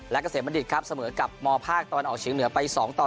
และเกษตรบัณฑิตครับเสมอกับมภาคตอนออกฉีงเหนือไป๒๒